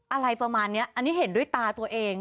อะไรประมาณนี้อันนี้เห็นด้วยตาตัวเอง